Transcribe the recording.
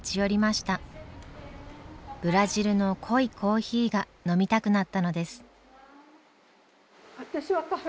ブラジルの濃いコーヒーが飲みたくなったのです。